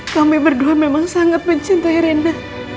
kami berdua memang sangat mencintai renda